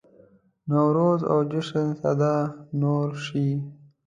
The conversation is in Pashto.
نوروز او جشن سده نور شي.